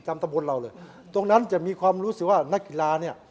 ตำบลเราเลยตรงนั้นจะมีความรู้สึกว่านักกีฬาเนี่ย